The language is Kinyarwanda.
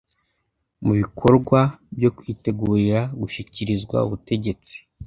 mu bikorwa byo kwitegurira gushikirizwa ubutegetsi